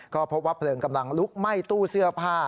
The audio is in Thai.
ก็พบว่าเพลิงกำลังลุกไหม้ตู้เสื้อผ้า